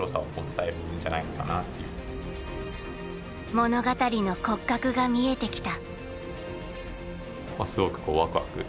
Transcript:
物語の骨格が見えてきた。